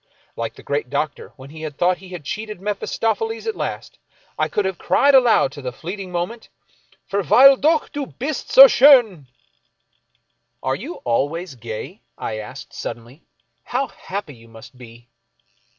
Like the great Doctor, when he thought he had cheated Mephistopheles at last, I could have cried aloud to the fleet ing moment, Verweile dock, du hist so sch'dn! " Are you always gay ?" I asked, suddenly, " How happy you must be